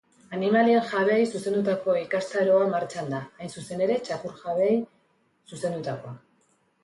Animalien jabeei zuzendutako ikastaroamartxan da, hain zuzen ere txakur jabeei zuzendutakoa.